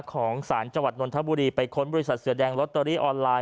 ของศาลจังหวัดนนทบุรีไปค้นบริษัทเสือแดงลอตเตอรี่ออนไลน์